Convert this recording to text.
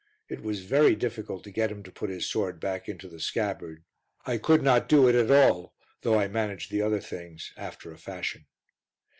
It was very difficult to get him to put his sword back into the scabbard. I could not do it at all, though I managed the other things after a fashion.